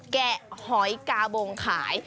แกะหอยกาบงขาย